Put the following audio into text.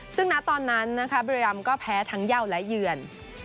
ซึ่งณตอนนั้นนะคะบริรามยนต์เอเตศก็แพ้ทั้งเยาว์และเยือน